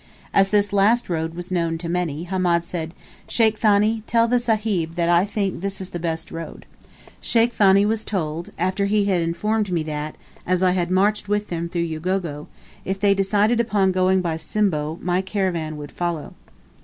As this last road was known to many, Hamed said, "Sheikh Thani, tell the Sahib that I think this is the best road." Sheikh Thani was told, after he had informed me that, as I had marched with them through Ugogo, if they decided upon going by Simbo, my caravan would follow.